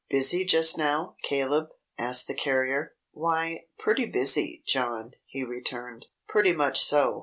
"Busy just now, Caleb?" asked the carrier. "Why, pretty busy, John," he returned. "Pretty much so.